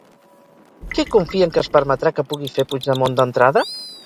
Què confien que es permetrà que pugui fer Puigdemont, d'entrada?